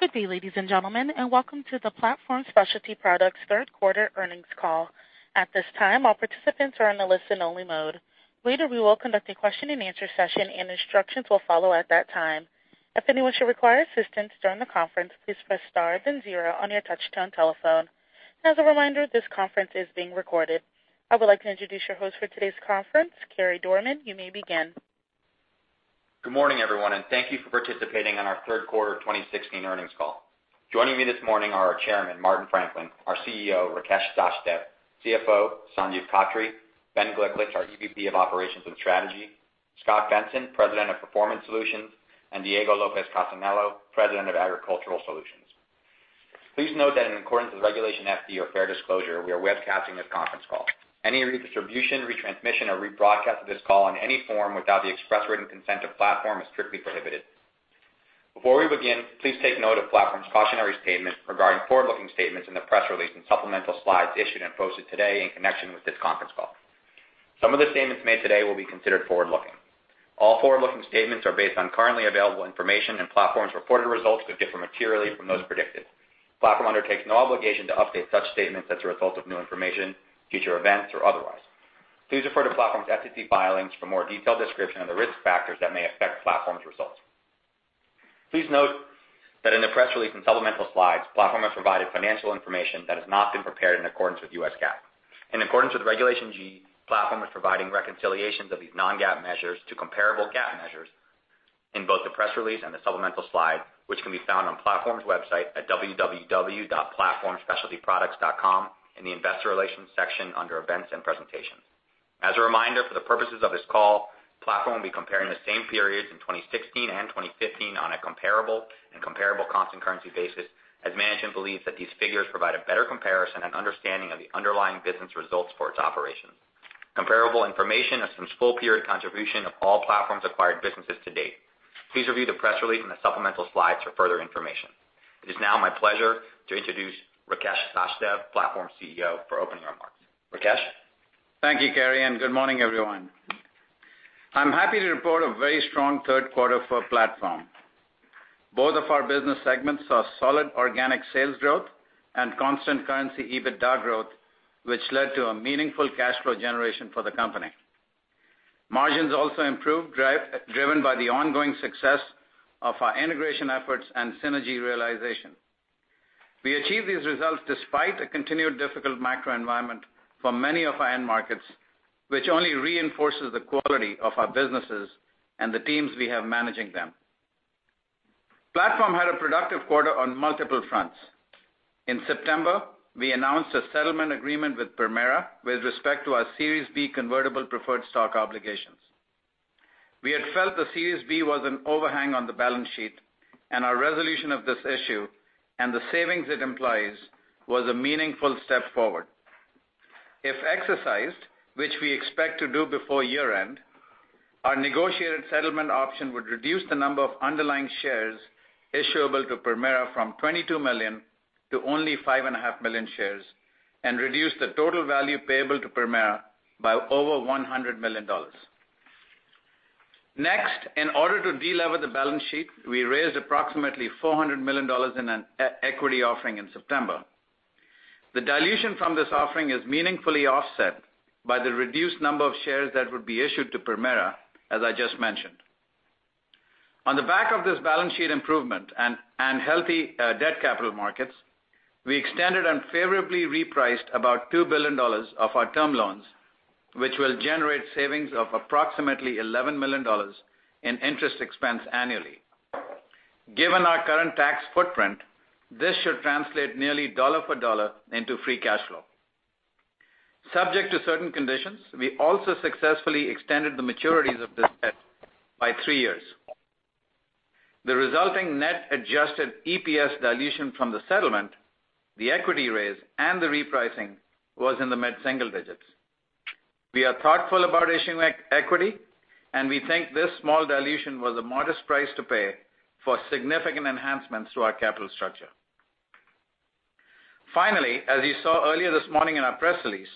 Good day, ladies and gentlemen, and welcome to the Platform Specialty Products third quarter earnings call. At this time, all participants are in a listen-only mode. Later, we will conduct a question-and-answer session, and instructions will follow at that time. If anyone should require assistance during the conference, please press star then 0 on your touch-tone telephone. As a reminder, this conference is being recorded. I would like to introduce your host for today's conference, Carey Dorman. You may begin. Good morning, everyone, and thank you for participating on our third-quarter 2016 earnings call. Joining me this morning are our Chairman, Martin Franklin, our CEO, Rakesh Sachdev, CFO, Sanjiv Khattri, Ben Gliklich, our EVP of Operations and Strategy, Scot Benson, President of Performance Solutions, and Diego Lopez Casanello, President of Agricultural Solutions. Please note that in accordance with Regulation FD or fair disclosure, we are webcasting this conference call. Any redistribution, retransmission, or rebroadcast of this call in any form without the express written consent of Platform is strictly prohibited. Before we begin, please take note of Platform's cautionary statement regarding forward-looking statements in the press release and supplemental slides issued and posted today in connection with this conference call. Some of the statements made today will be considered forward-looking. All forward-looking statements are based on currently available information, and Platform's reported results may differ materially from those predicted. Platform undertakes no obligation to update such statements as a result of new information, future events, or otherwise. Please refer to Platform's SEC filings for more detailed description of the risk factors that may affect Platform's results. Please note that in the press release and supplemental slides, Platform has provided financial information that has not been prepared in accordance with US GAAP. In accordance with Regulation G, Platform is providing reconciliations of these non-GAAP measures to comparable GAAP measures in both the press release and the supplemental slide, which can be found on Platform's website at www.platformspecialtyproducts.com in the investor relations section under events and presentations. As a reminder, for the purposes of this call, Platform will be comparing the same periods in 2016 and 2015 on a comparable and comparable constant currency basis, as management believes that these figures provide a better comparison and understanding of the underlying business results for its operations. Comparable information is from full period contribution of all Platform's acquired businesses to date. Please review the press release and the supplemental slides for further information. It is now my pleasure to introduce Rakesh Sachdev, Platform's CEO, for opening remarks. Rakesh? Thank you, Carey, and good morning, everyone. I am happy to report a very strong third quarter for Platform. Both of our business segments saw solid organic sales growth and constant currency EBITDA growth, which led to a meaningful cash flow generation for the company. Margins also improved, driven by the ongoing success of our integration efforts and synergy realization. We achieved these results despite a continued difficult macro environment for many of our end markets, which only reinforces the quality of our businesses and the teams we have managing them. Platform had a productive quarter on multiple fronts. In September, we announced a settlement agreement with Permira with respect to our Series B convertible preferred stock obligations. We had felt the Series B was an overhang on the balance sheet, and our resolution of this issue and the savings it implies was a meaningful step forward. If exercised, which we expect to do before year-end, our negotiated settlement option would reduce the number of underlying shares issuable to Permira from 22 million to only 5.5 million shares and reduce the total value payable to Permira by over $100 million. Next, in order to de-lever the balance sheet, we raised approximately $400 million in an equity offering in September. The dilution from this offering is meaningfully offset by the reduced number of shares that would be issued to Permira, as I just mentioned. On the back of this balance sheet improvement and healthy debt capital markets, we extended and favorably repriced about $2 billion of our term loans, which will generate savings of approximately $11 million in interest expense annually. Given our current tax footprint, this should translate nearly dollar for dollar into free cash flow. Subject to certain conditions, we also successfully extended the maturities of this debt by three years. The resulting net adjusted EPS dilution from the settlement, the equity raise, and the repricing was in the mid-single digits. We are thoughtful about issuing equity, and we think this small dilution was a modest price to pay for significant enhancements to our capital structure. Finally, as you saw earlier this morning in our press release,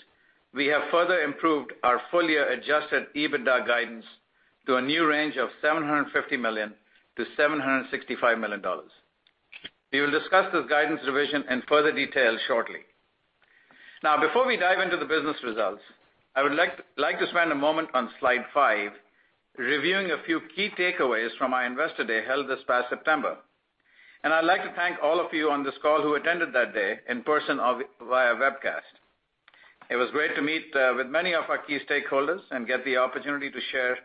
we have further improved our full-year adjusted EBITDA guidance to a new range of $750 million-$765 million. We will discuss this guidance revision in further detail shortly. Before we dive into the business results, I would like to spend a moment on slide five reviewing a few key takeaways from our investor day held this past September. I'd like to thank all of you on this call who attended that day in person or via webcast. It was great to meet with many of our key stakeholders and get the opportunity to share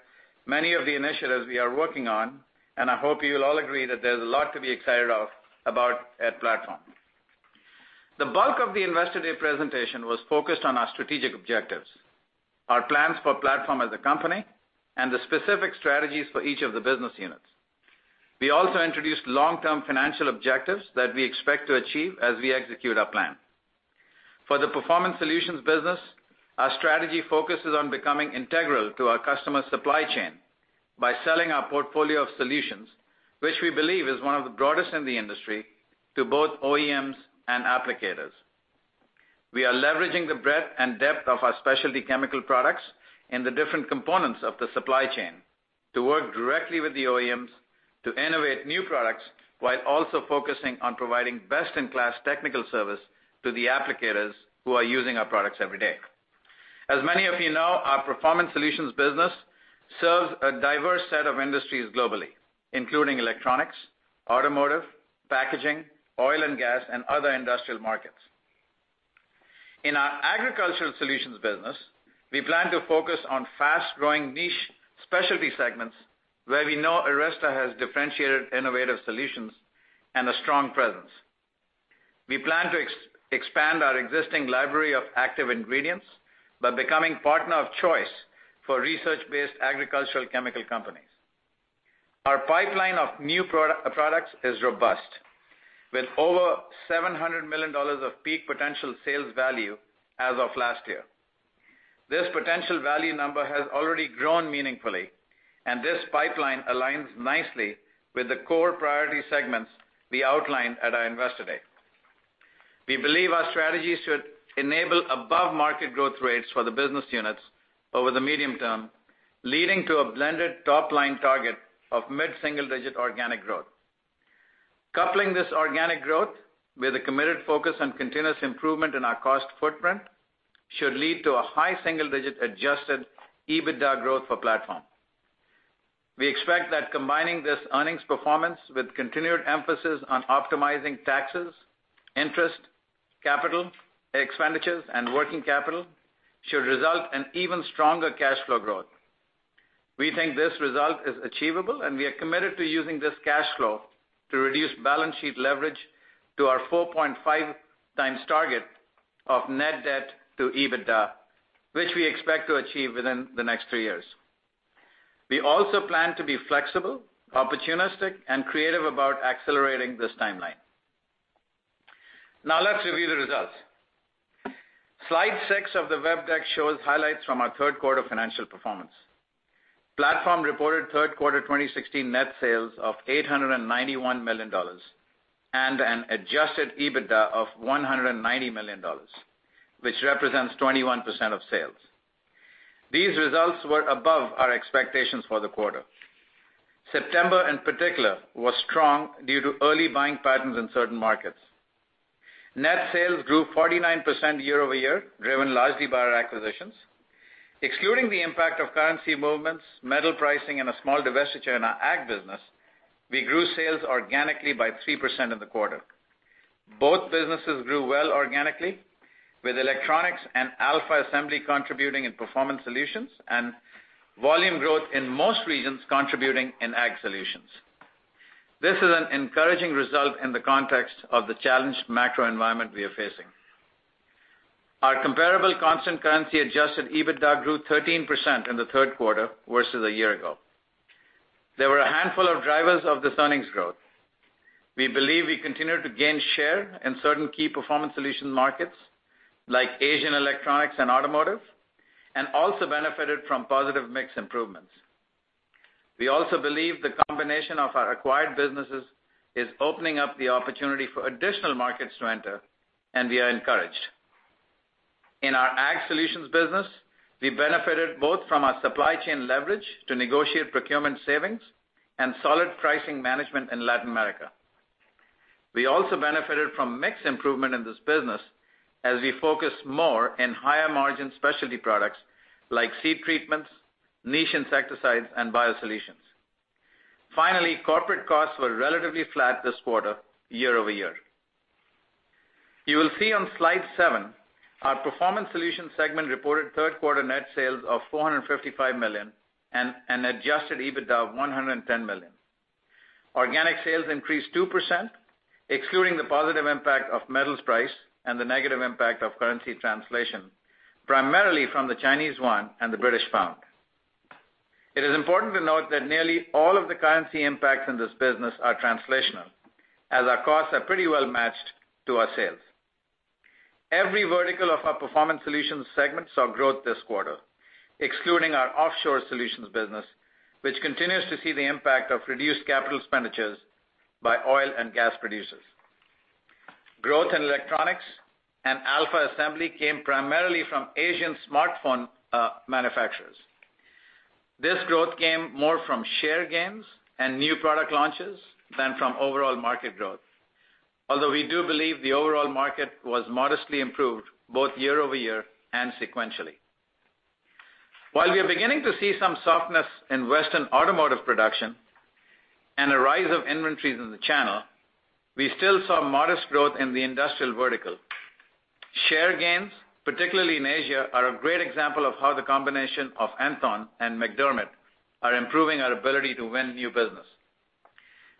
many of the initiatives we are working on, and I hope you will all agree that there is a lot to be excited about at Platform. The bulk of the investor day presentation was focused on our strategic objectives, our plans for Platform as a company, and the specific strategies for each of the business units. We also introduced long-term financial objectives that we expect to achieve as we execute our plan. For the Performance Solutions business, our strategy focuses on becoming integral to our customer supply chain by selling our portfolio of solutions, which we believe is one of the broadest in the industry, to both OEMs and applicators. We are leveraging the breadth and depth of our specialty chemical products in the different components of the supply chain to work directly with the OEMs to innovate new products, while also focusing on providing best-in-class technical service to the applicators who are using our products every day. As many of you know, our Performance Solutions business serves a diverse set of industries globally, including electronics, automotive, packaging, oil and gas, and other industrial markets. In our Agricultural Solutions business, we plan to focus on fast-growing niche specialty segments where we know Arysta has differentiated innovative solutions and a strong presence. We plan to expand our existing library of active ingredients by becoming partner of choice for research-based agricultural chemical companies. Our pipeline of new products is robust, with over $700 million of peak potential sales value as of last year. This potential value number has already grown meaningfully, and this pipeline aligns nicely with the core priority segments we outlined at our Investor Day. We believe our strategies should enable above-market growth rates for the business units over the medium term, leading to a blended top-line target of mid-single-digit organic growth. Coupling this organic growth with a committed focus on continuous improvement in our cost footprint should lead to a high single-digit adjusted EBITDA growth for Platform. We expect that combining this earnings performance with continued emphasis on optimizing taxes, interest, capital expenditures, and working capital should result in even stronger cash flow growth. We think this result is achievable, and we are committed to using this cash flow to reduce balance sheet leverage to our 4.5 times target of net debt to EBITDA, which we expect to achieve within the next three years. Let's review the results. Slide six of the web deck shows highlights from our third quarter financial performance. Platform reported third quarter 2016 net sales of $891 million and an adjusted EBITDA of $190 million, which represents 21% of sales. These results were above our expectations for the quarter. September, in particular, was strong due to early buying patterns in certain markets. Net sales grew 49% year-over-year, driven largely by our acquisitions. Excluding the impact of currency movements, metal pricing, and a small divestiture in our Ag business, we grew sales organically by 3% in the quarter. Both businesses grew well organically, with electronics and Alpha Assembly contributing in Performance Solutions and volume growth in most regions contributing in Ag Solutions. This is an encouraging result in the context of the challenged macro environment we are facing. Our comparable constant currency adjusted EBITDA grew 13% in the third quarter versus a year ago. There were a handful of drivers of this earnings growth. We believe we continued to gain share in certain key Performance Solutions markets, like Asian electronics and automotive, and also benefited from positive mix improvements. We also believe the combination of our acquired businesses is opening up the opportunity for additional markets to enter, and we are encouraged. In our Ag Solutions business, we benefited both from our supply chain leverage to negotiate procurement savings and solid pricing management in Latin America. We also benefited from mix improvement in this business as we focus more in higher-margin specialty products like seed treatments, niche insecticides, and biosolutions. Finally, corporate costs were relatively flat this quarter year-over-year. You will see on slide seven, our Performance Solutions segment reported third quarter net sales of $455 million and an adjusted EBITDA of $110 million. Organic sales increased 2%, excluding the positive impact of metals price and the negative impact of currency translation, primarily from the Chinese yuan and the British pound. It is important to note that nearly all of the currency impacts in this business are translational, as our costs are pretty well matched to our sales. Every vertical of our Performance Solutions segment saw growth this quarter, excluding our Offshore Solutions business, which continues to see the impact of reduced capital expenditures by oil and gas producers. Growth in electronics and Alpha Assembly came primarily from Asian smartphone manufacturers. This growth came more from share gains and new product launches than from overall market growth. Although we do believe the overall market was modestly improved both year-over-year and sequentially. While we are beginning to see some softness in Western automotive production and a rise of inventories in the channel, we still saw modest growth in the industrial vertical. Share gains, particularly in Asia, are a great example of how the combination of Enthone and MacDermid are improving our ability to win new business.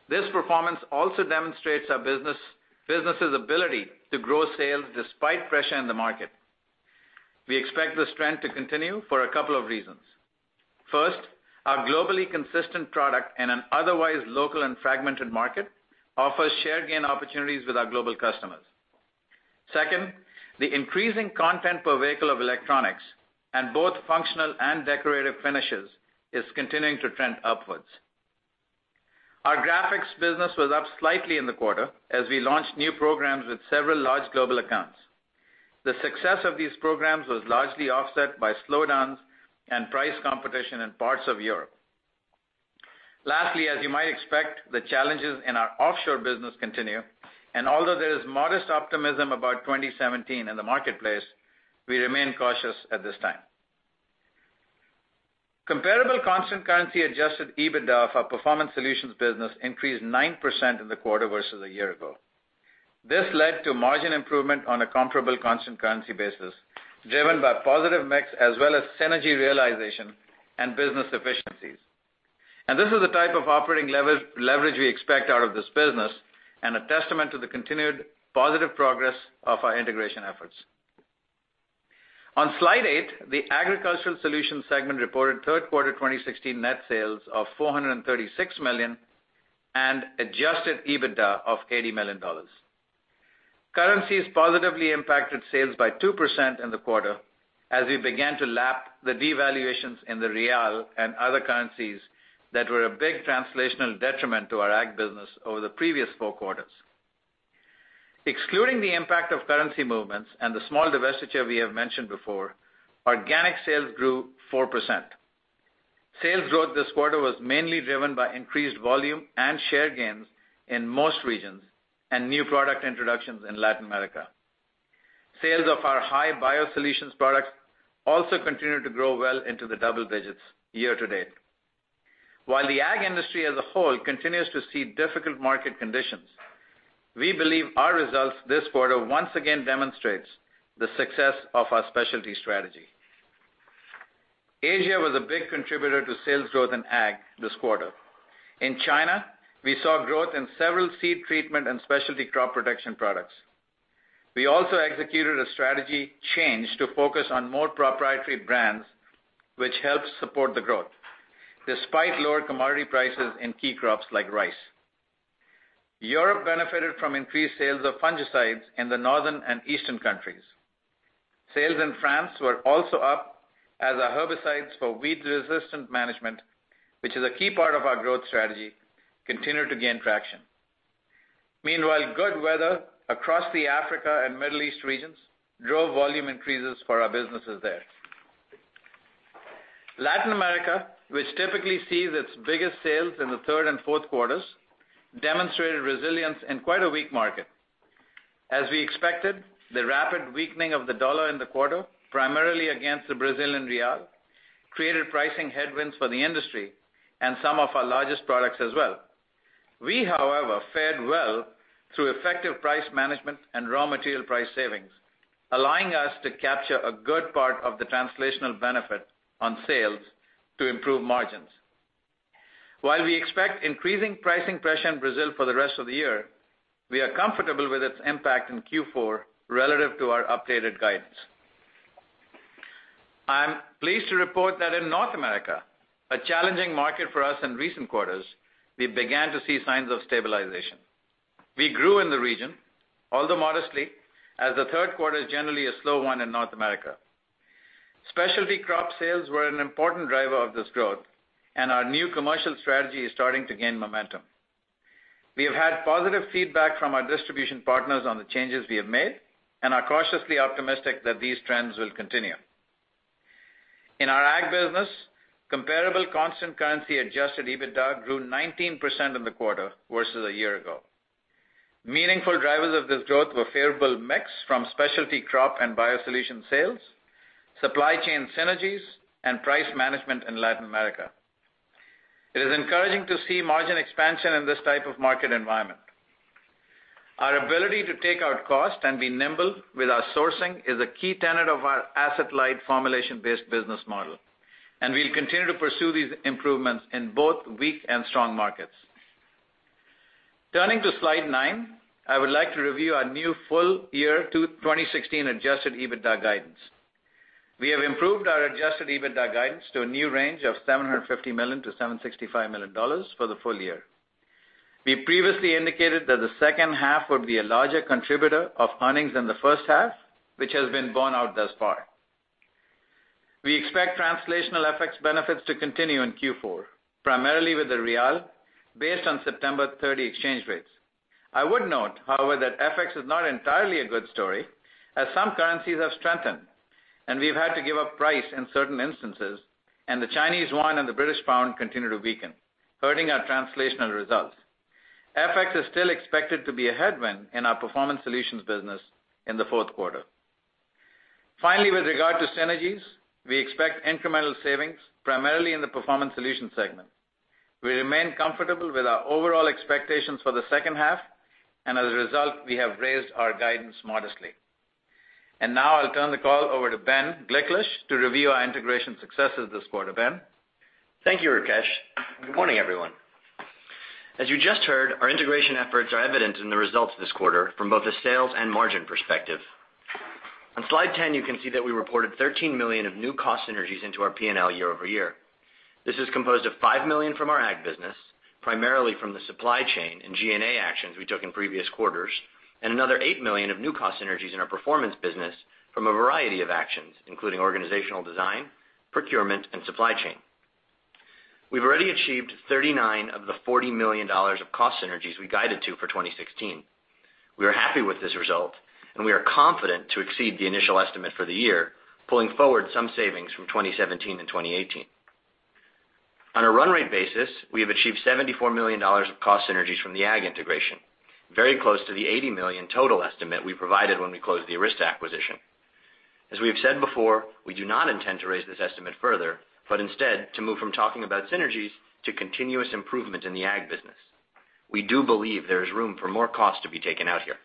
This performance also demonstrates our business' ability to grow sales despite pressure in the market. We expect this trend to continue for a couple of reasons. First, our globally consistent product in an otherwise local and fragmented market offers share gain opportunities with our global customers. Second, the increasing content per vehicle of electronics and both functional and decorative finishes is continuing to trend upwards. Our graphics business was up slightly in the quarter as we launched new programs with several large global accounts. The success of these programs was largely offset by slowdowns and price competition in parts of Europe. Lastly, as you might expect, the challenges in our Offshore Solutions business continue, and although there is modest optimism about 2017 in the marketplace, we remain cautious at this time. Comparable constant currency adjusted EBITDA for Performance Solutions business increased 9% in the quarter versus a year ago. This led to margin improvement on a comparable constant currency basis, driven by positive mix as well as synergy realization and business efficiencies. This is the type of operating leverage we expect out of this business and a testament to the continued positive progress of our integration efforts. On slide eight, the Agricultural Solutions segment reported third quarter 2016 net sales of $436 million and adjusted EBITDA of $80 million. Currencies positively impacted sales by 2% in the quarter as we began to lap the devaluations in the real and other currencies that were a big translational detriment to our Ag business over the previous four quarters. Excluding the impact of currency movements and the small divestiture we have mentioned before, organic sales grew 4%. Sales growth this quarter was mainly driven by increased volume and share gains in most regions and new product introductions in Latin America. Sales of our high biosolutions products also continued to grow well into the double digits year to date. While the Ag industry as a whole continues to see difficult market conditions, we believe our results this quarter once again demonstrates the success of our specialty strategy. Asia was a big contributor to sales growth in Ag this quarter. In China, we saw growth in several seed treatment and specialty crop protection products. We also executed a strategy change to focus on more proprietary brands, which helps support the growth despite lower commodity prices in key crops like rice. Europe benefited from increased sales of fungicides in the northern and eastern countries. Sales in France were also up as our herbicides for weed-resistant management, which is a key part of our growth strategy, continue to gain traction. Meanwhile, good weather across the Africa and Middle East regions drove volume increases for our businesses there. Latin America, which typically sees its biggest sales in the third and fourth quarters, demonstrated resilience in quite a weak market. As we expected, the rapid weakening of the dollar in the quarter, primarily against the Brazilian real, created pricing headwinds for the industry and some of our largest products as well. We, however, fared well through effective price management and raw material price savings, allowing us to capture a good part of the translational benefit on sales to improve margins. While we expect increasing pricing pressure in Brazil for the rest of the year, we are comfortable with its impact in Q4 relative to our updated guidance. I am pleased to report that in North America, a challenging market for us in recent quarters, we began to see signs of stabilization. We grew in the region, although modestly, as the third quarter is generally a slow one in North America. Specialty crop sales were an important driver of this growth, and our new commercial strategy is starting to gain momentum. We have had positive feedback from our distribution partners on the changes we have made and are cautiously optimistic that these trends will continue. In our Ag business, comparable constant currency adjusted EBITDA grew 19% in the quarter versus a year ago. Meaningful drivers of this growth were favorable mix from specialty crop and biosolution sales, supply chain synergies, and price management in Latin America. It is encouraging to see margin expansion in this type of market environment. Our ability to take out cost and be nimble with our sourcing is a key tenet of our asset-light formulation-based business model, and we will continue to pursue these improvements in both weak and strong markets. Turning to slide nine, I would like to review our new full year 2016 adjusted EBITDA guidance. We have improved our adjusted EBITDA guidance to a new range of $750 million-$765 million for the full year. We previously indicated that the second half would be a larger contributor of earnings than the first half, which has been borne out thus far. We expect translational FX benefits to continue in Q4, primarily with the real, based on September 30 exchange rates. I would note, however, that FX is not entirely a good story, as some currencies have strengthened, and we have had to give up price in certain instances, and the Chinese yuan and the British pound continue to weaken, hurting our translational results. FX is still expected to be a headwind in our Performance Solutions business in the fourth quarter. Finally, with regard to synergies, we expect incremental savings primarily in the Performance Solutions segment. We remain comfortable with our overall expectations for the second half. As a result, we have raised our guidance modestly. Now I'll turn the call over to Ben Gliklich to review our integration successes this quarter. Ben? Thank you, Rakesh. Good morning, everyone. As you just heard, our integration efforts are evident in the results this quarter from both a sales and margin perspective. On slide 10, you can see that we reported $13 million of new cost synergies into our P&L year-over-year. This is composed of $5 million from our Ag business, primarily from the supply chain and G&A actions we took in previous quarters, and another $8 million of new cost synergies in our Performance business from a variety of actions, including organizational design, procurement and supply chain. We've already achieved $39 of the $40 million of cost synergies we guided to for 2016. We are happy with this result. We are confident to exceed the initial estimate for the year, pulling forward some savings from 2017 and 2018. On a run rate basis, we have achieved $74 million of cost synergies from the Ag integration, very close to the $80 million total estimate we provided when we closed the Arysta acquisition. As we have said before, we do not intend to raise this estimate further, instead to move from talking about synergies to continuous improvement in the Ag business. We do believe there is room for more cost to be taken out here.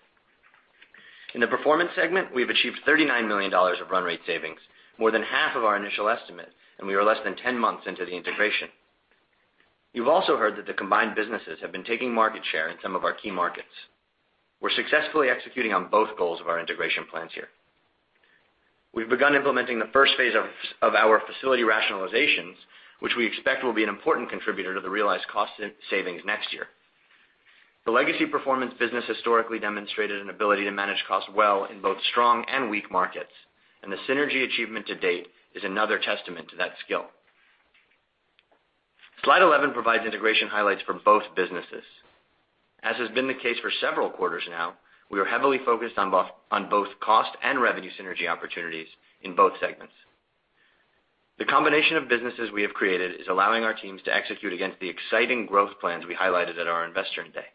In the Performance segment, we have achieved $39 million of run rate savings, more than half of our initial estimate, and we are less than 10 months into the integration. You've also heard that the combined businesses have been taking market share in some of our key markets. We're successfully executing on both goals of our integration plans here. We've begun implementing the first phase of our facility rationalizations, which we expect will be an important contributor to the realized cost savings next year. The legacy Performance business historically demonstrated an ability to manage costs well in both strong and weak markets. The synergy achievement to date is another testament to that skill. Slide 11 provides integration highlights for both businesses. As has been the case for several quarters now, we are heavily focused on both cost and revenue synergy opportunities in both segments. The combination of businesses we have created is allowing our teams to execute against the exciting growth plans we highlighted at our Investor Day.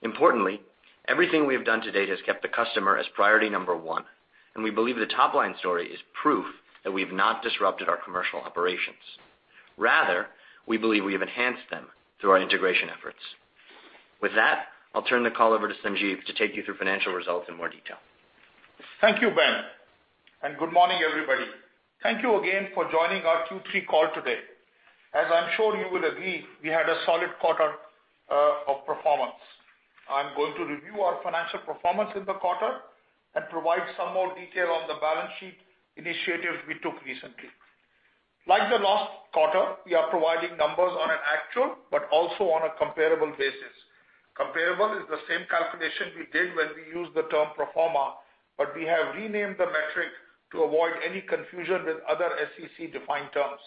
Importantly, everything we have done to date has kept the customer as priority number one. We believe the top-line story is proof that we have not disrupted our commercial operations. We believe we have enhanced them through our integration efforts. With that, I will turn the call over to Sanjiv to take you through financial results in more detail. Thank you, Ben. Good morning, everybody. Thank you again for joining our Q3 call today. As I am sure you will agree, we had a solid quarter of performance. I am going to review our financial performance in the quarter and provide some more detail on the balance sheet initiatives we took recently. Like the last quarter, we are providing numbers on an actual but also on a comparable basis. Comparable is the same calculation we did when we used the term pro forma, but we have renamed the metric to avoid any confusion with other SEC-defined terms.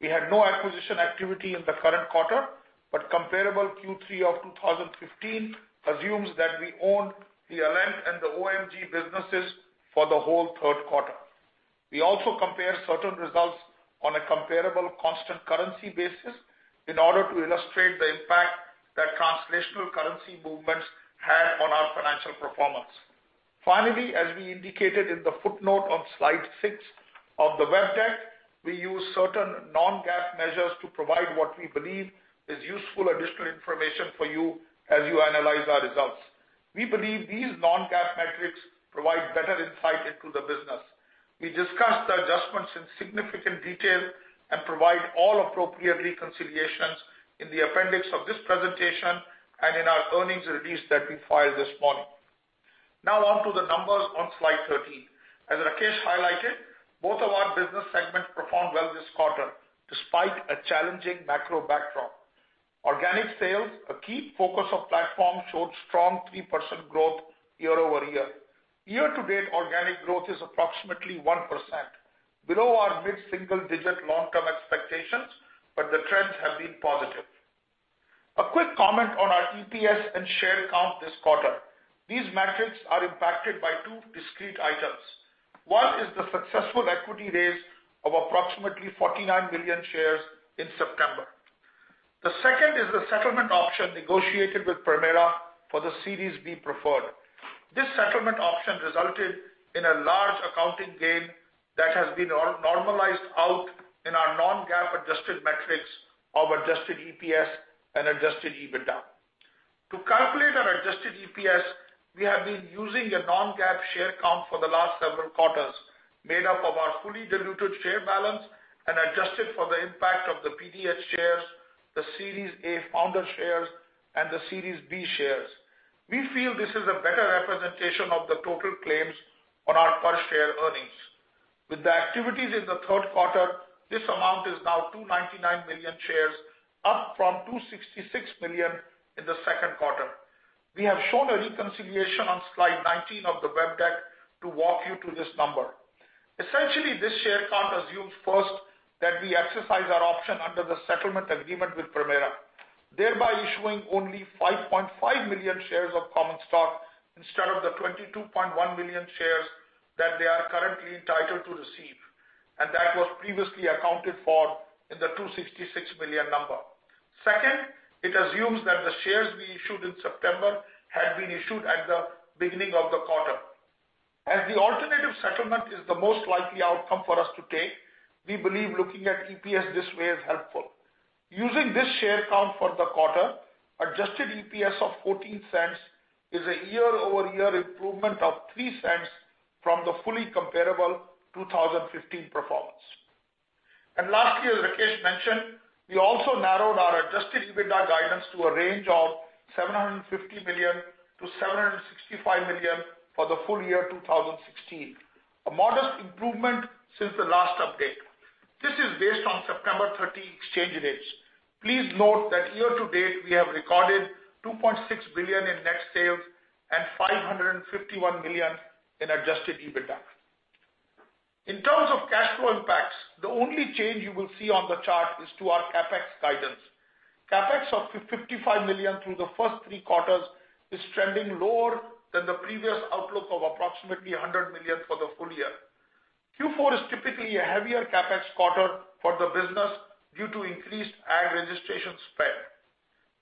We had no acquisition activity in the current quarter, but comparable Q3 of 2015 assumes that we owned the Alent and the OMG businesses for the whole third quarter. We also compare certain results on a comparable constant currency basis in order to illustrate the impact that translational currency movements had on our financial performance. Finally, as we indicated in the footnote on Slide 6 of the web deck, we use certain non-GAAP measures to provide what we believe is useful additional information for you as you analyze our results. We believe these non-GAAP metrics provide better insight into the business. We discuss the adjustments in significant detail and provide all appropriate reconciliations in the appendix of this presentation and in our earnings release that we filed this morning. Now on to the numbers on Slide 13. As Rakesh highlighted, both of our business segments performed well this quarter, despite a challenging macro backdrop. Organic sales, a key focus of Platform, showed strong 3% growth year-over-year. Year to date, organic growth is approximately 1%, below our mid-single-digit long-term expectations, but the trends have been positive. A quick comment on our EPS and share count this quarter. These metrics are impacted by two discrete items. One is the successful equity raise of approximately 49 million shares in September. The second is the settlement option negotiated with Permira for the Series B preferred. This settlement option resulted in a large accounting gain that has been normalized out in our non-GAAP adjusted metrics of adjusted EPS and adjusted EBITDA. To calculate our adjusted EPS, we have been using a non-GAAP share count for the last several quarters, made up of our fully diluted share balance and adjusted for the impact of the PDH shares, the Series A founder shares, and the Series B shares. We feel this is a better representation of the total claims on our per-share earnings. With the activities in the third quarter, this amount is now 299 million shares, up from 266 million in the second quarter. We have shown a reconciliation on Slide 19 of the web deck to walk you through this number. Essentially, this share count assumes first that we exercise our option under the settlement agreement with Permira, thereby issuing only 5.5 million shares of common stock instead of the 22.1 million shares that they are currently entitled to receive. That was previously accounted for in the 266 million number. Second, it assumes that the shares we issued in September had been issued at the beginning of the quarter. As the alternative settlement is the most likely outcome for us to take, we believe looking at EPS this way is helpful. Using this share count for the quarter, adjusted EPS of $0.14 is a year-over-year improvement of $0.03 from the fully comparable 2015 performance. Lastly, as Rakesh mentioned, we also narrowed our adjusted EBITDA guidance to a range of $750 million-$765 million for the full year 2016, a modest improvement since the last update. This is based on September 30 exchange rates. Please note that year-to-date, we have recorded $2.6 billion in net sales. $551 million in adjusted EBITDA. In terms of cash flow impacts, the only change you will see on the chart is to our CapEx guidance. CapEx of $55 million through the first three quarters is trending lower than the previous outlook of approximately $100 million for the full year. Q4 is typically a heavier CapEx quarter for the business due to increased ag registration spend.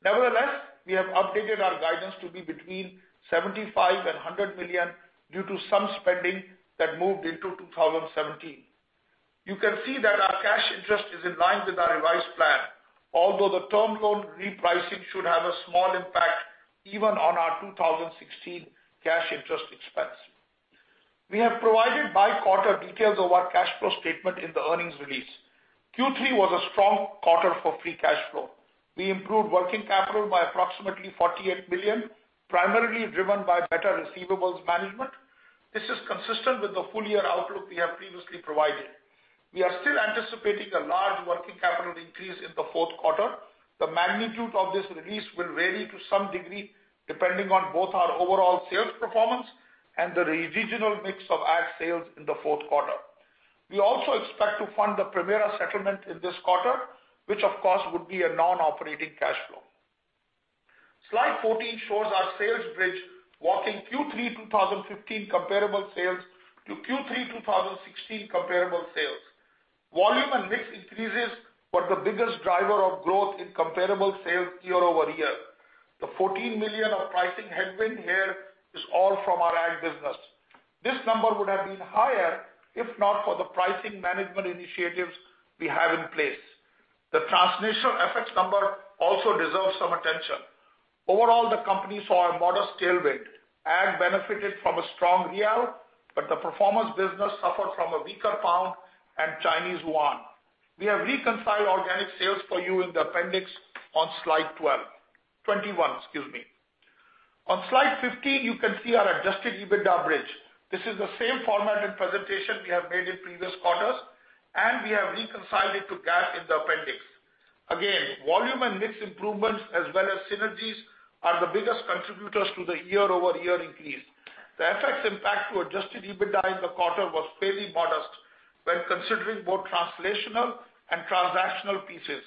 Nevertheless, we have updated our guidance to be between $75 million and $100 million due to some spending that moved into 2017. You can see that our cash interest is in line with our revised plan, although the term loan repricing should have a small impact even on our 2016 cash interest expense. We have provided by-quarter details of our cash flow statement in the earnings release. Q3 was a strong quarter for free cash flow. We improved working capital by approximately $48 million, primarily driven by better receivables management. This is consistent with the full-year outlook we have previously provided. We are still anticipating a large working capital increase in the fourth quarter. The magnitude of this release will vary to some degree, depending on both our overall sales performance and the regional mix of ag sales in the fourth quarter. We also expect to fund the Permira settlement in this quarter, which of course would be a non-operating cash flow. Slide 14 shows our sales bridge walking Q3 2015 comparable sales to Q3 2016 comparable sales. Volume and mix increases were the biggest driver of growth in comparable sales year-over-year. The $14 million of pricing headwind here is all from our ag business. This number would have been higher if not for the pricing management initiatives we have in place. The translational FX number also deserves some attention. Overall, the company saw a modest tailwind. Ag benefited from a strong BRL, but the performance business suffered from a weaker GBP and CNY. We have reconciled organic sales for you in the appendix on Slide 12. 21, excuse me. On Slide 15, you can see our adjusted EBITDA bridge. This is the same format and presentation we have made in previous quarters, and we have reconciled it to GAAP in the appendix. Again, volume and mix improvements as well as synergies are the biggest contributors to the year-over-year increase. The FX impact to adjusted EBITDA in the quarter was fairly modest when considering both translational and transactional pieces.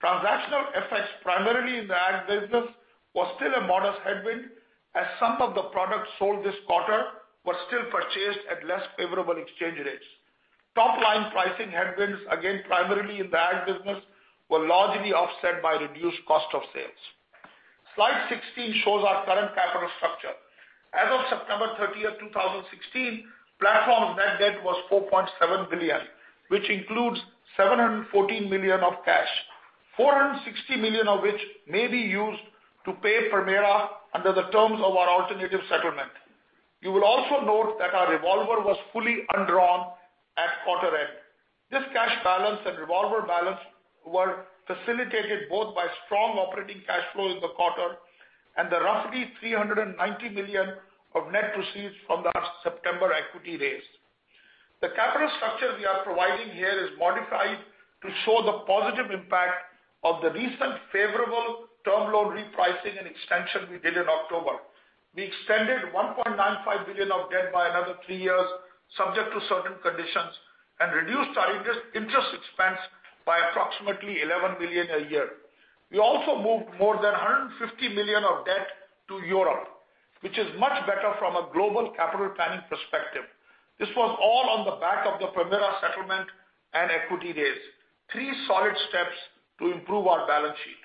Transactional FX, primarily in the ag business, was still a modest headwind, as some of the products sold this quarter were still purchased at less favorable exchange rates. Top-line pricing headwinds, again, primarily in the ag business, were largely offset by reduced cost of sales. Slide 16 shows our current capital structure. As of September 30th, 2016, Platform's net debt was $4.7 billion, which includes $714 million of cash, $460 million of which may be used to pay for Primera under the terms of our alternative settlement. You will also note that our revolver was fully undrawn at quarter end. This cash balance and revolver balance were facilitated both by strong operating cash flow in the quarter and the roughly $390 million of net proceeds from the September equity raise. The capital structure we are providing here is modified to show the positive impact of the recent favorable term loan repricing and extension we did in October. We extended $1.95 billion of debt by another three years, subject to certain conditions, and reduced our interest expense by approximately $11 million a year. We also moved more than $150 million of debt to Europe, which is much better from a global capital planning perspective. This was all on the back of the Permira settlement and equity raise. Three solid steps to improve our balance sheet.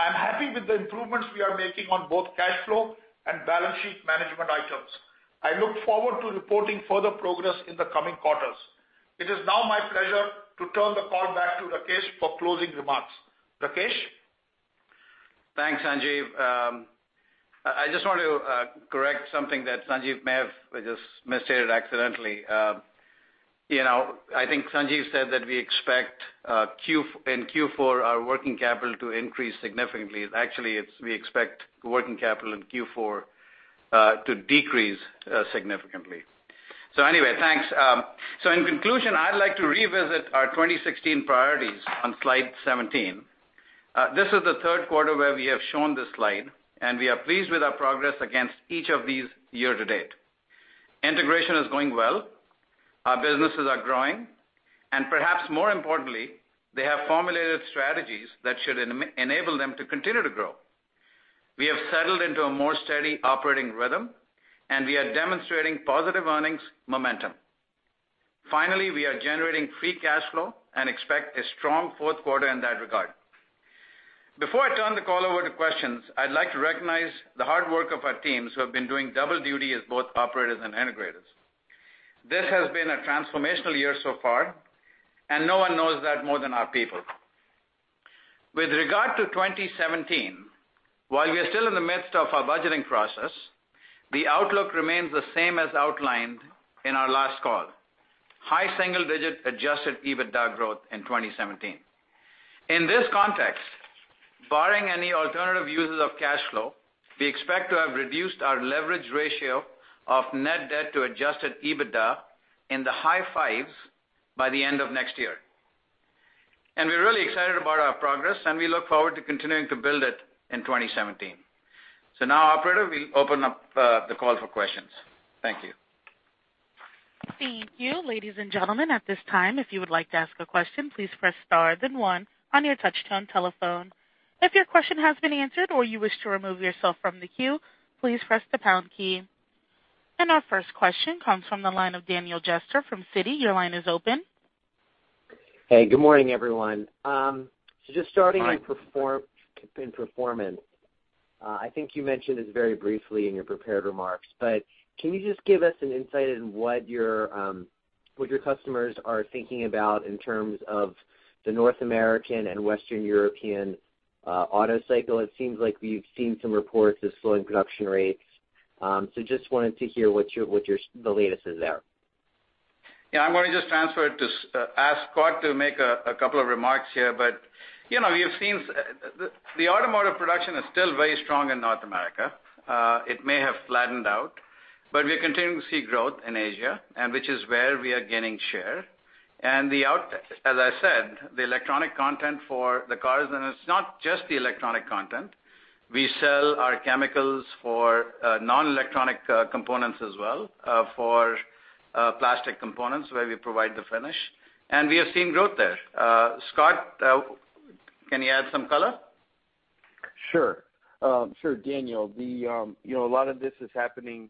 I am happy with the improvements we are making on both cash flow and balance sheet management items. I look forward to reporting further progress in the coming quarters. It is now my pleasure to turn the call back to Rakesh for closing remarks. Rakesh? Thanks, Sanjiv. I just want to correct something that Sanjiv may have just misstated accidentally. I think Sanjiv said that we expect in Q4 our working capital to increase significantly. Actually, we expect working capital in Q4 to decrease significantly. Anyway, thanks. In conclusion, I'd like to revisit our 2016 priorities on slide 17. This is the third quarter where we have shown this slide, and we are pleased with our progress against each of these year-to-date. Integration is going well. Our businesses are growing, and perhaps more importantly, they have formulated strategies that should enable them to continue to grow. We have settled into a more steady operating rhythm, and we are demonstrating positive earnings momentum. Finally, we are generating free cash flow and expect a strong fourth quarter in that regard. Before I turn the call over to questions, I'd like to recognize the hard work of our teams who have been doing double duty as both operators and integrators. This has been a transformational year so far, and no one knows that more than our people. With regard to 2017, while we are still in the midst of our budgeting process, the outlook remains the same as outlined in our last call. High single-digit adjusted EBITDA growth in 2017. In this context, barring any alternative uses of cash flow, we expect to have reduced our leverage ratio of net debt to adjusted EBITDA in the high fives by the end of next year We're really excited about our progress, and we look forward to continuing to build it in 2017. Now, operator, we open up the call for questions. Thank you. Thank you. Ladies and gentlemen, at this time, if you would like to ask a question, please press star then one on your touch-tone telephone. If your question has been answered or you wish to remove yourself from the queue, please press the pound key. Our first question comes from the line of Daniel Jester from Citi. Your line is open. Hey, good morning, everyone. Hi. Just starting on performance. I think you mentioned this very briefly in your prepared remarks, can you just give us an insight in what your customers are thinking about in terms of the North American and Western European auto cycle? It seems like we've seen some reports of slowing production rates. Just wanted to hear what the latest is there. Yeah, I'm going to just ask Scot to make a couple of remarks here. The automotive production is still very strong in North America. It may have flattened out, we are continuing to see growth in Asia, and which is where we are gaining share. As I said, the electronic content for the cars, and it's not just the electronic content. We sell our chemicals for non-electronic components as well, for plastic components where we provide the finish, and we are seeing growth there. Scot, can you add some color? Sure. Daniel, a lot of this has happened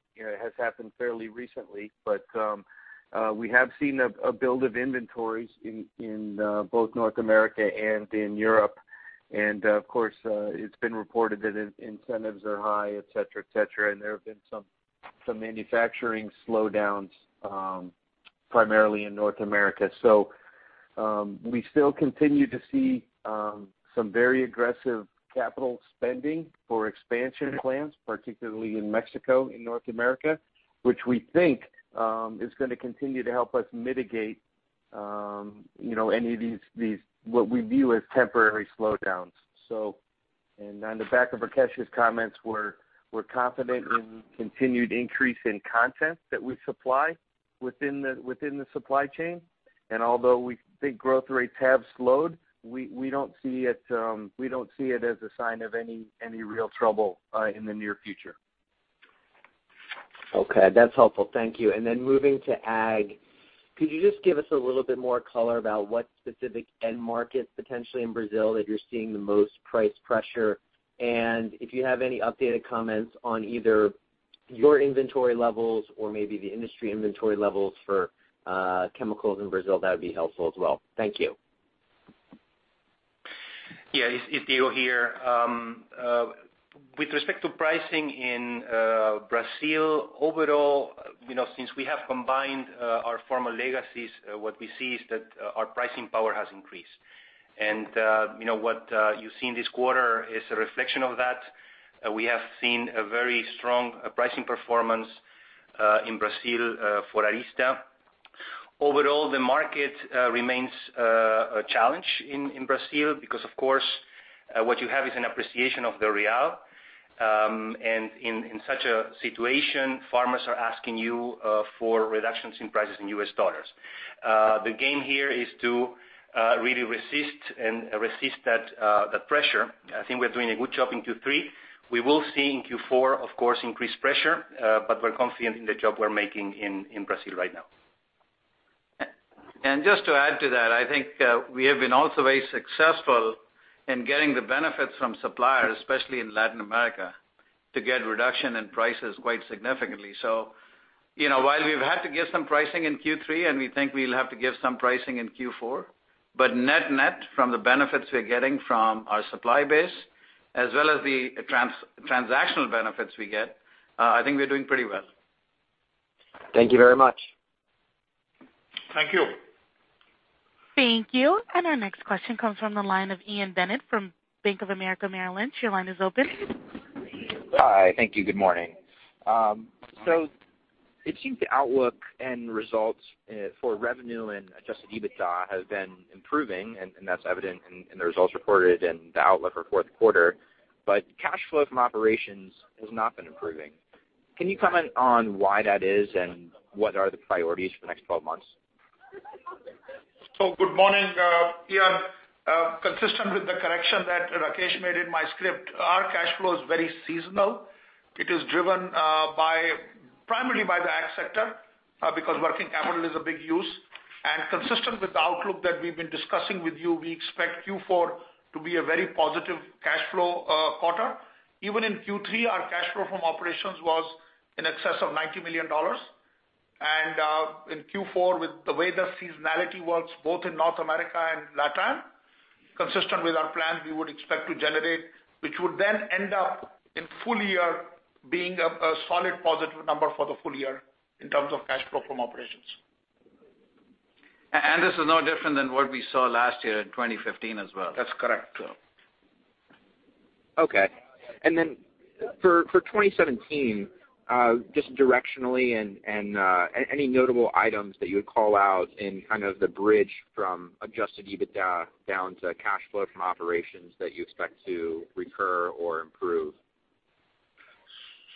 fairly recently, we have seen a build of inventories in both North America and in Europe. Of course, it's been reported that incentives are high, et cetera. There have been some manufacturing slowdowns, primarily in North America. We still continue to see some very aggressive capital spending for expansion plans, particularly in Mexico, in North America, which we think is going to continue to help us mitigate any of these, what we view as temporary slowdowns. On the back of Rakesh's comments, we're confident in continued increase in content that we supply within the supply chain. Although we think growth rates have slowed, we don't see it as a sign of any real trouble in the near future. Okay. That's helpful. Thank you. Moving to ag, could you just give us a little bit more color about what specific end markets, potentially in Brazil, that you're seeing the most price pressure? If you have any updated comments on either your inventory levels or maybe the industry inventory levels for chemicals in Brazil, that would be helpful as well. Thank you. Yeah, it's Diego here. With respect to pricing in Brazil, overall, since we have combined our former legacies, what we see is that our pricing power has increased. What you see in this quarter is a reflection of that. We have seen a very strong pricing performance in Brazil for Arysta. Overall, the market remains a challenge in Brazil because, of course, what you have is an appreciation of the real, and in such a situation, farmers are asking you for reductions in prices in US dollars. The game here is to really resist that pressure. I think we're doing a good job in Q3. We will see in Q4, of course, increased pressure, but we're confident in the job we're making in Brazil right now. Just to add to that, I think we have been also very successful in getting the benefits from suppliers, especially in Latin America, to get reduction in prices quite significantly. While we've had to give some pricing in Q3, and we think we'll have to give some pricing in Q4, but net-net, from the benefits we're getting from our supply base as well as the transactional benefits we get, I think we're doing pretty well. Thank you very much. Thank you. Thank you. Our next question comes from the line of Ian Bennett from Bank of America Merrill Lynch. Your line is open. Hi. Thank you. Good morning. It seems the outlook and results for revenue and adjusted EBITDA have been improving, and that's evident in the results reported and the outlook for fourth quarter. Cash flow from operations has not been improving. Can you comment on why that is and what are the priorities for the next 12 months? Good morning, Ian. Consistent with the correction that Rakesh made in my script, our cash flow is very seasonal. It is driven primarily by the ag sector, because working capital is a big use. Consistent with the outlook that we've been discussing with you, we expect Q4 to be a very positive cash flow quarter. Even in Q3, our cash flow from operations was in excess of $90 million. In Q4, with the way the seasonality works both in North America and LATAM, consistent with our plan, we would expect to generate, which would then end up in full year being a solid positive number for the full year in terms of cash flow from operations. This is no different than what we saw last year in 2015 as well. That's correct. Okay. Then for 2017, just directionally and any notable items that you would call out in kind of the bridge from adjusted EBITDA down to cash flow from operations that you expect to recur or improve?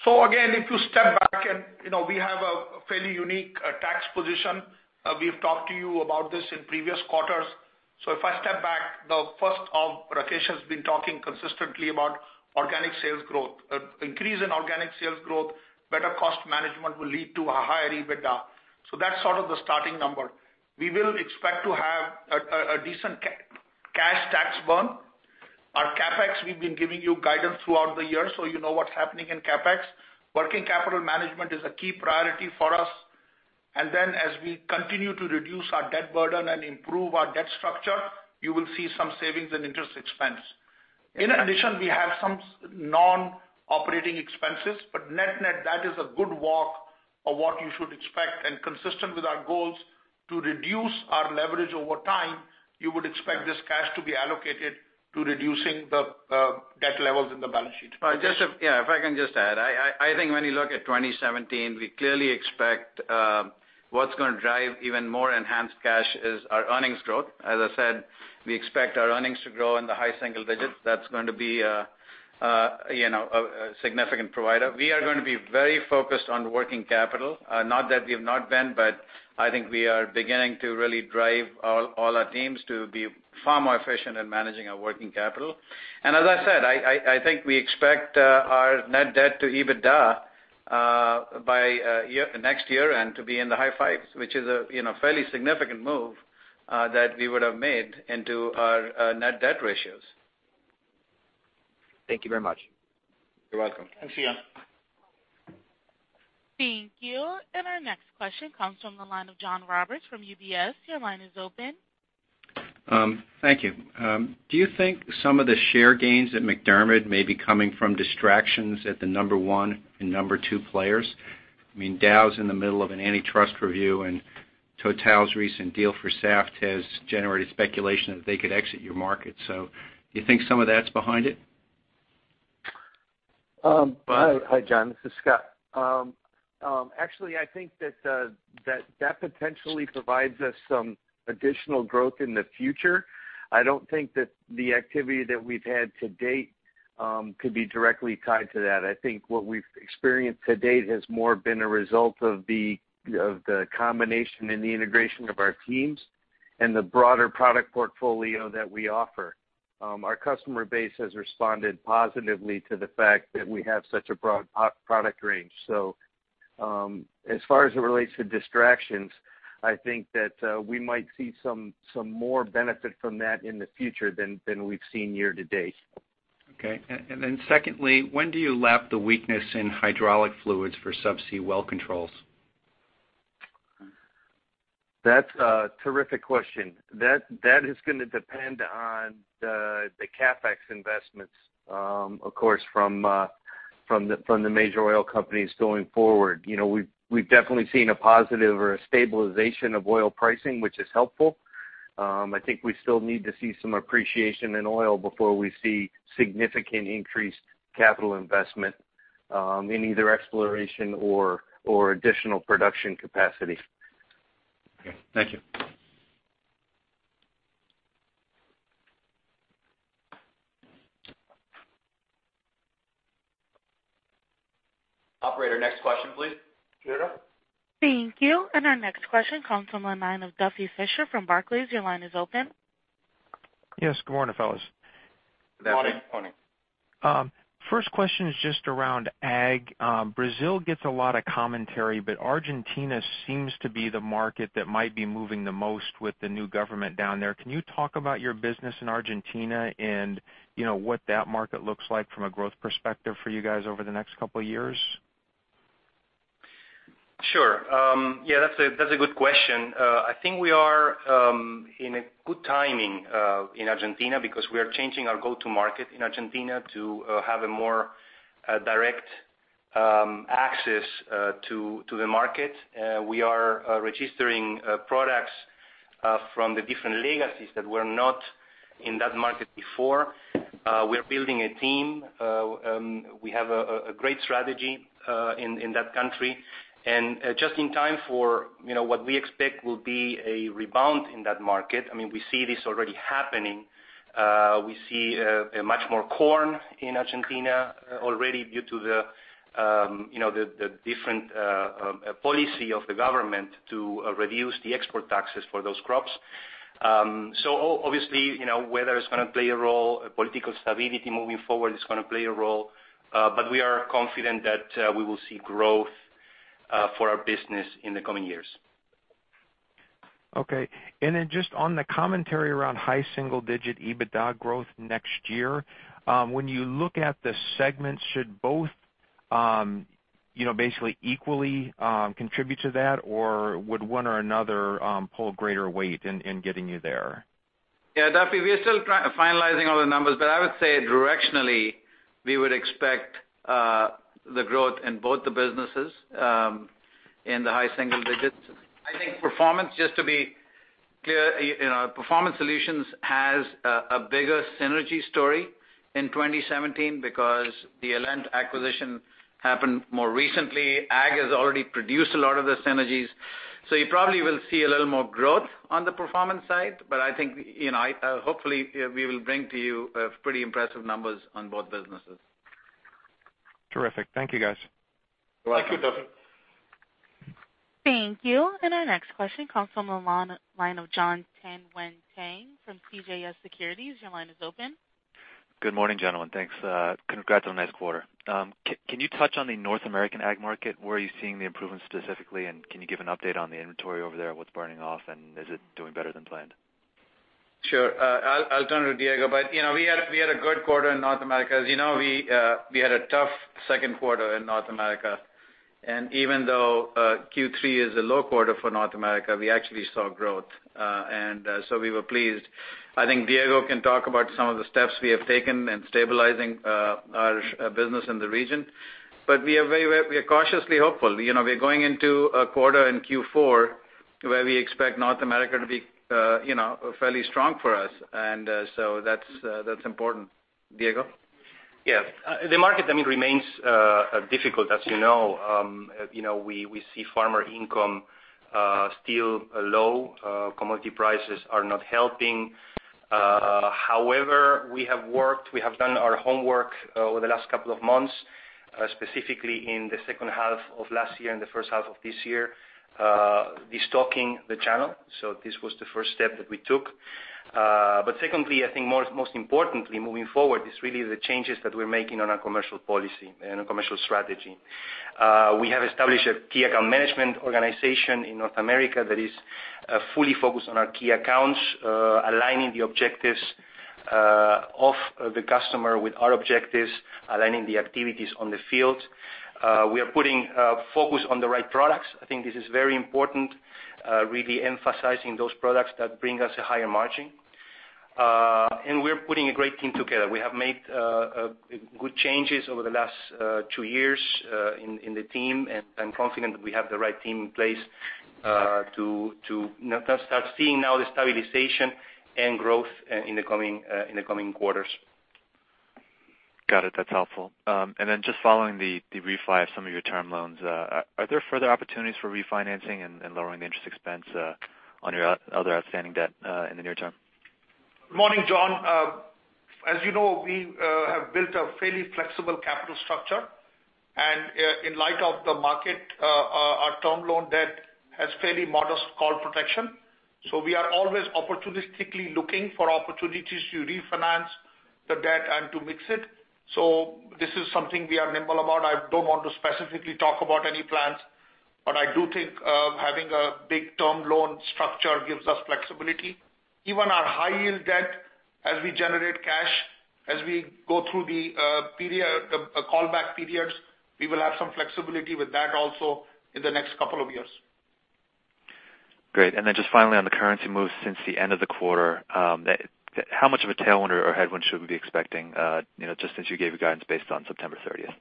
Again, if you step back and we have a fairly unique tax position. We've talked to you about this in previous quarters. If I step back, the first of Rakesh has been talking consistently about organic sales growth. Increase in organic sales growth, better cost management will lead to a higher EBITDA. That's sort of the starting number. We will expect to have a decent cash tax burn. Our CapEx, we've been giving you guidance throughout the year, so you know what's happening in CapEx. Working capital management is a key priority for us. Then as we continue to reduce our debt burden and improve our debt structure, you will see some savings in interest expense. In addition, we have some non-operating expenses, net-net, that is a good walk of what you should expect and consistent with our goals to reduce our leverage over time, you would expect this cash to be allocated to reducing the debt levels in the balance sheet. If I can just add. I think when you look at 2017, we clearly expect what's going to drive even more enhanced cash is our earnings growth. As I said, we expect our earnings to grow in the high single digits. That's going to be a significant provider. We are going to be very focused on working capital, not that we have not been, but I think we are beginning to really drive all our teams to be far more efficient in managing our working capital. As I said, I think we expect our net debt to EBITDA by next year to be in the high fives, which is a fairly significant move that we would have made into our net debt ratios. Thank you very much. You're welcome. Thanks, Ian. Thank you. Our next question comes from the line of John Roberts from UBS. Your line is open. Thank you. Do you think some of the share gains at MacDermid may be coming from distractions at the number one and number two players? I mean, Dow's in the middle of an antitrust review, Total's recent deal for Saft has generated speculation that they could exit your market. Do you think some of that's behind it? Hi, John, this is Scot. Actually, I think that potentially provides us some additional growth in the future. I don't think that the activity that we've had to date could be directly tied to that. I think what we've experienced to date has more been a result of the combination and the integration of our teams and the broader product portfolio that we offer. Our customer base has responded positively to the fact that we have such a broad product range. As far as it relates to distractions, I think that we might see some more benefit from that in the future than we've seen year to date. Okay. Then secondly, when do you lap the weakness in hydraulic fluids for subsea well controls? That's a terrific question. That is gonna depend on the CapEx investments, of course, from the major oil companies going forward. We've definitely seen a positive or a stabilization of oil pricing, which is helpful. I think we still need to see some appreciation in oil before we see significant increased capital investment in either exploration or additional production capacity. Okay. Thank you. Operator, next question, please. Thank you. Our next question comes from the line of Duffy Fischer from Barclays. Your line is open. Yes, good morning, fellas. Morning. Morning. First question is just around Ag. Brazil gets a lot of commentary, but Argentina seems to be the market that might be moving the most with the new government down there. Can you talk about your business in Argentina and what that market looks like from a growth perspective for you guys over the next couple of years? Sure. Yeah, that's a good question. I think we are in a good timing in Argentina because we are changing our go-to market in Argentina to have a more direct access to the market. We are registering products from the different legacies that were not in that market before. We're building a team. We have a great strategy in that country. Just in time for what we expect will be a rebound in that market. I mean, we see this already happening. We see much more corn in Argentina already due to the different policy of the government to reduce the export taxes for those crops. Obviously, weather is gonna play a role, political stability moving forward is gonna play a role, but we are confident that we will see growth for our business in the coming years. Okay. Then just on the commentary around high single-digit EBITDA growth next year, when you look at the segments, should both basically equally contribute to that, or would one or another pull greater weight in getting you there? Yeah, Duffy, we are still finalizing all the numbers. I would say directionally, we would expect the growth in both the businesses in the high single digits. I think Performance, just to be clear, Performance Solutions has a bigger synergy story in 2017 because the Alent acquisition happened more recently. Ag has already produced a lot of the synergies. You probably will see a little more growth on the performance side, but I think hopefully we will bring to you pretty impressive numbers on both businesses. Terrific. Thank you, guys. You're welcome. Thank you, Duffy. Thank you. Our next question comes from the line of Jon Tanwanteng from CJS Securities. Your line is open. Good morning, gentlemen. Thanks. Congrats on a nice quarter. Can you touch on the North American ag market? Where are you seeing the improvements specifically, and can you give an update on the inventory over there, what's burning off, and is it doing better than planned? Sure. I'll turn to Diego. We had a good quarter in North America. As you know, we had a tough second quarter in North America. Even though Q3 is a low quarter for North America, we actually saw growth. We were pleased. I think Diego can talk about some of the steps we have taken in stabilizing our business in the region. We are cautiously hopeful. We're going into a quarter in Q4 where we expect North America to be fairly strong for us. That's important. Diego? Yes. The market remains difficult, as you know. We see farmer income still low. Commodity prices are not helping. However, we have worked, we have done our homework over the last couple of months, specifically in the second half of last year and the first half of this year, destocking the channel. This was the first step that we took. Secondly, I think most importantly, moving forward is really the changes that we're making on our commercial policy and our commercial strategy. We have established a key account management organization in North America that is fully focused on our key accounts, aligning the objectives of the customer with our objectives, aligning the activities on the field. We are putting a focus on the right products. I think this is very important, really emphasizing those products that bring us a higher margin. We're putting a great team together. We have made good changes over the last two years in the team, and I'm confident that we have the right team in place to start seeing now the stabilization and growth in the coming quarters. Got it. That's helpful. Just following the refi of some of your term loans, are there further opportunities for refinancing and lowering the interest expense on your other outstanding debt in the near term? Good morning, John. As you know, we have built a fairly flexible capital structure, and in light of the market, our term loan debt has fairly modest call protection. We are always opportunistically looking for opportunities to refinance the debt and to mix it. This is something we are nimble about. I don't want to specifically talk about any plans, but I do think having a big term loan structure gives us flexibility. Even our high-yield debt, as we generate cash, as we go through the callback periods, we will have some flexibility with that also in the next couple of years. Great. Just finally on the currency moves since the end of the quarter, how much of a tailwind or headwind should we be expecting, just since you gave your guidance based on September 30th?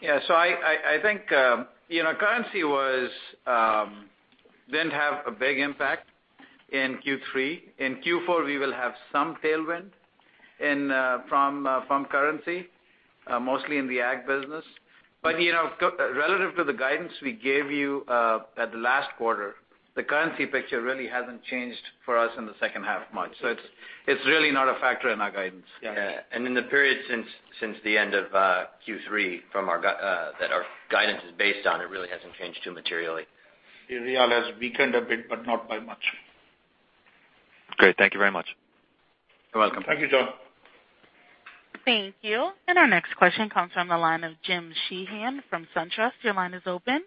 Yeah. I think currency didn't have a big impact in Q3. In Q4, we will have some tailwind from currency, mostly in the ag business. Relative to the guidance we gave you at the last quarter, the currency picture really hasn't changed for us in the second half much. It's really not a factor in our guidance. Yeah. In the period since the end of Q3, that our guidance is based on, it really hasn't changed too materially. The Brazilian real has weakened a bit, but not by much. Great. Thank you very much. You're welcome. Thank you, John. Thank you. Our next question comes from the line of Jim Sheehan from SunTrust. Your line is open.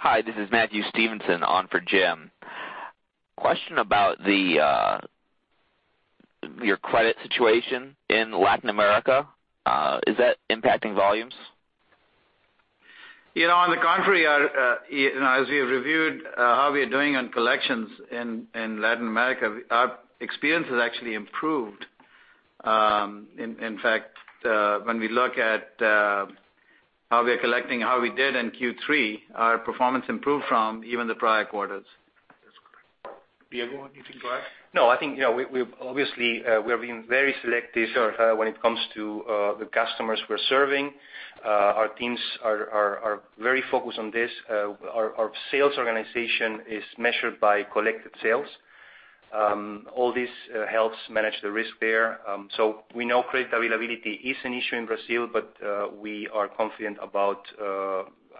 Hi, this is Matthew Stevenson on for Jim. Question about your credit situation in Latin America. Is that impacting volumes? On the contrary, as we have reviewed how we are doing on collections in Latin America, our experience has actually improved. In fact, when we look at how we are collecting, how we did in Q3, our performance improved from even the prior quarters. That's correct. Diego, anything to add? No, I think, obviously, we are being very selective when it comes to the customers we're serving. Our teams are very focused on this. Our sales organization is measured by collected sales. All this helps manage the risk there. We know credit availability is an issue in Brazil, but we are confident about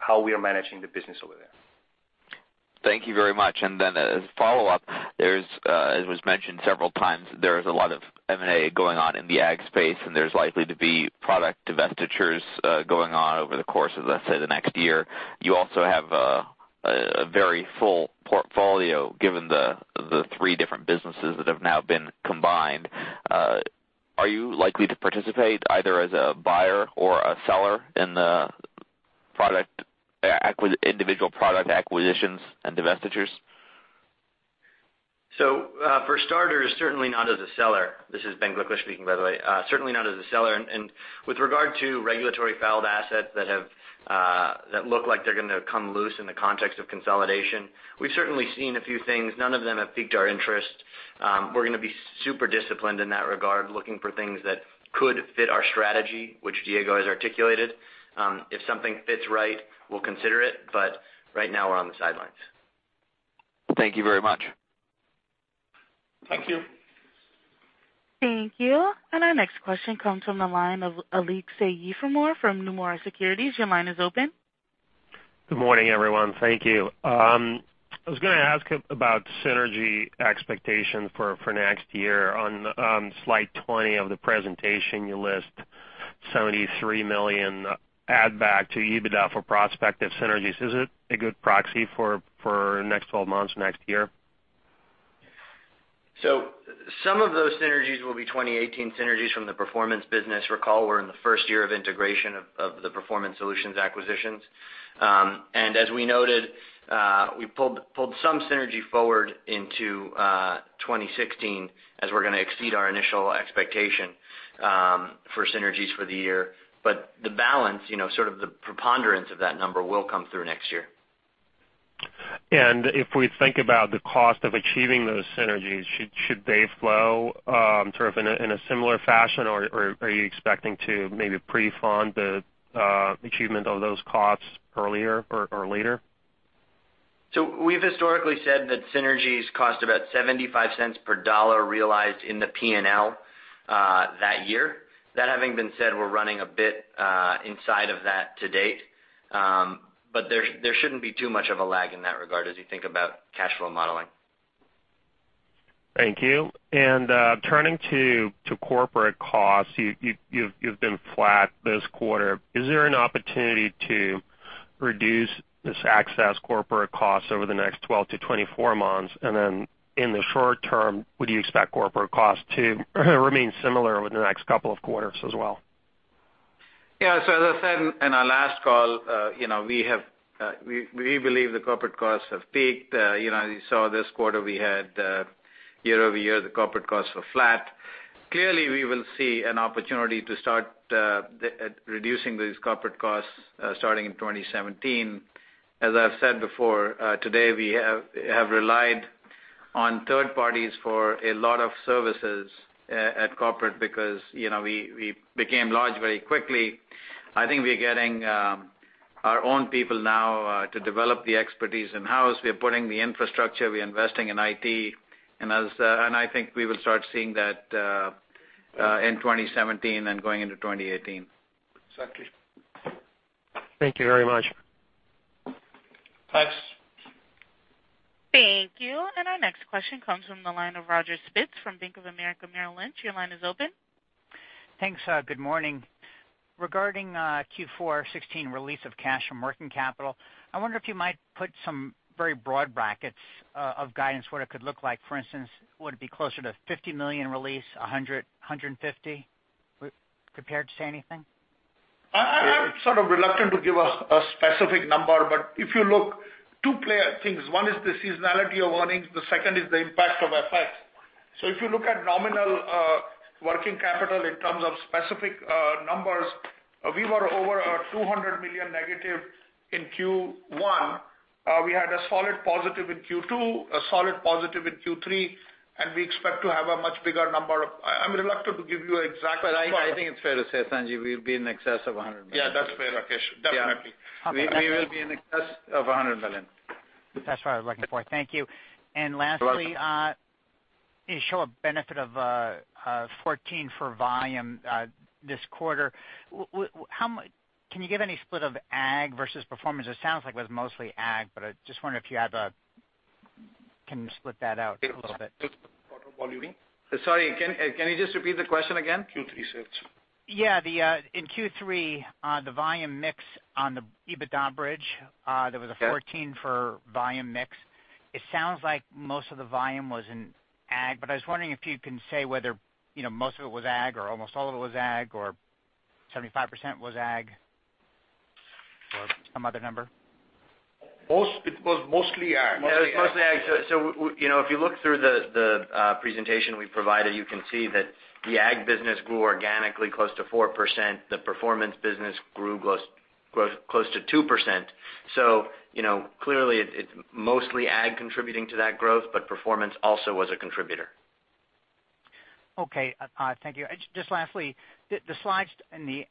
how we are managing the business over there. Thank you very much. As a follow-up, as was mentioned several times, there is a lot of M&A going on in the ag space, and there's likely to be product divestitures going on over the course of, let's say, the next year. You also have a very full portfolio, given the three different businesses that have now been combined. Are you likely to participate either as a buyer or a seller in the individual product acquisitions and divestitures? For starters, certainly not as a seller. This is Ben Gliklich speaking, by the way. Certainly not as a seller. With regard to regulatory filed assets that look like they're going to come loose in the context of consolidation, we've certainly seen a few things. None of them have piqued our interest. We're going to be super disciplined in that regard, looking for things that could fit our strategy, which Diego has articulated. If something fits right, we'll consider it, but right now we're on the sidelines. Thank you very much. Thank you. Thank you. Our next question comes from the line of Aleksey Yefremov from Nomura Securities. Your line is open. Good morning, everyone. Thank you. I was going to ask about synergy expectations for next year. On slide 20 of the presentation, you list $73 million add back to EBITDA for prospective synergies. Is it a good proxy for next 12 months, next year? Some of those synergies will be 2018 synergies from the performance business. Recall we're in the first year of integration of the Performance Solutions acquisitions. As we noted, we pulled some synergy forward into 2016 as we're going to exceed our initial expectation for synergies for the year. The balance, sort of the preponderance of that number will come through next year. If we think about the cost of achieving those synergies, should they flow sort of in a similar fashion or are you expecting to maybe pre-fund the achievement of those costs earlier or later? We've historically said that synergies cost about $0.75 per dollar realized in the P&L that year. That having been said, we're running a bit inside of that to date. There shouldn't be too much of a lag in that regard as you think about cash flow modeling. Thank you. Turning to corporate costs, you've been flat this quarter. Is there an opportunity to reduce this excess corporate cost over the next 12-24 months? In the short term, would you expect corporate cost to remain similar within the next couple of quarters as well? As I said in our last call, we believe the corporate costs have peaked. You saw this quarter we had year-over-year, the corporate costs were flat. Clearly, we will see an opportunity to start reducing these corporate costs starting in 2017. As I've said before today, we have relied on third parties for a lot of services at corporate because we became large very quickly. I think we are getting our own people now to develop the expertise in-house. We are putting the infrastructure, we are investing in IT. I think we will start seeing that in 2017 and going into 2018. Thank you very much. Thanks. Thank you. Our next question comes from the line of Roger Spitz from Bank of America Merrill Lynch. Your line is open. Thanks. Good morning. Regarding Q4 2016 release of cash from working capital, I wonder if you might put some very broad brackets of guidance what it could look like. For instance, would it be closer to $50 million release, $100 million, $150 million? Prepared to say anything? I'm sort of reluctant to give a specific number, if you look, two clear things. One is the seasonality of earnings, the second is the impact of FX. If you look at nominal working capital in terms of specific numbers, we were over $200 million negative in Q1. We had a solid positive in Q2, a solid positive in Q3, and we expect to have a much bigger. I'm reluctant to give you an exact number. I think it's fair to say, Sanjiv, we'll be in excess of $100 million. Yeah, that's fair, Rakesh. Definitely. Okay. We will be in excess of $100 million. That's what I was looking for. Thank you. Lastly. You're welcome. You show a benefit of 14 for volume this quarter. Can you give any split of Ag versus performance? It sounds like it was mostly Ag, but I just wonder if you can split that out a little bit. Sorry, can you just repeat the question again? Q3 sales. Yeah. In Q3, the volume mix on the EBITDA bridge, there was a 14 for volume mix. It sounds like most of the volume was in Ag, but I was wondering if you can say whether most of it was Ag or almost all of it was Ag or 75% was Ag or some other number. It was mostly Ag. Yeah, it was mostly Ag. If you look through the presentation we provided, you can see that the Ag business grew organically close to 4%. The Performance business grew close to 2%. Clearly it's mostly Ag contributing to that growth, but Performance also was a contributor. Okay. Thank you. Just lastly, the slides in the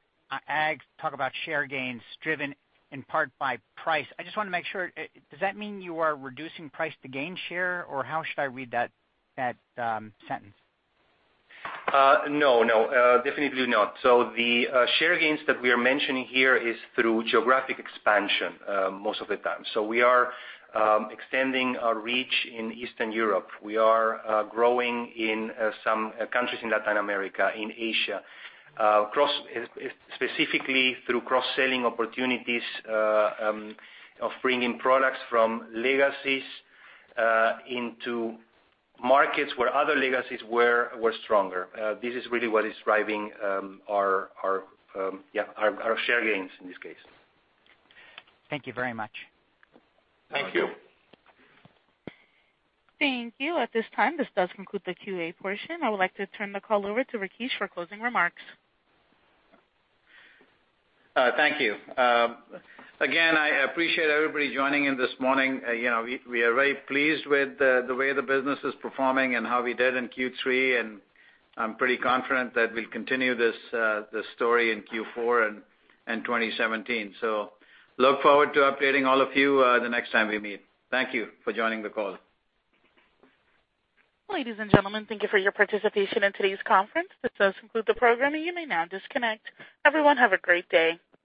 Ag talk about share gains driven in part by price. I just want to make sure, does that mean you are reducing price to gain share or how should I read that sentence? No. Definitely not. The share gains that we are mentioning here is through geographic expansion most of the time. We are extending our reach in Eastern Europe. We are growing in some countries in Latin America, in Asia. Specifically through cross-selling opportunities of bringing products from legacies into markets where other legacies were stronger. This is really what is driving our share gains in this case. Thank you very much. Thank you. Thank you. At this time, this does conclude the Q&A portion. I would like to turn the call over to Rakesh for closing remarks. I appreciate everybody joining in this morning. We are very pleased with the way the business is performing and how we did in Q3, and I'm pretty confident that we'll continue this story in Q4 and 2017. Look forward to updating all of you the next time we meet. Thank you for joining the call. Ladies and gentlemen, thank you for your participation in today's conference. This does conclude the program. You may now disconnect. Everyone, have a great day.